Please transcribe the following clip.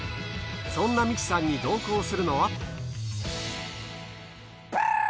そんな美樹さんに同行するのは。